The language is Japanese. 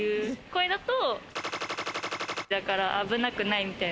これだとだから危なくないみた